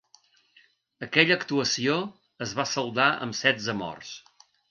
Aquella actuació es va saldar amb setze morts.